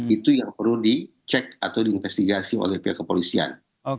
itu yang perlu dicek atau diinvestigasi oleh pihak kepolisian